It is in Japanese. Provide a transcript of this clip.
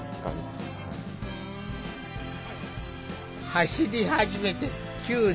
走り始めて９年。